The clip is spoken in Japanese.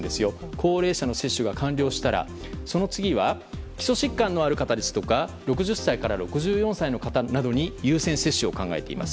高齢者の接種が完了したらその次は基礎疾患のある方ですとか６０歳から６４歳の方に優先接種を考えています。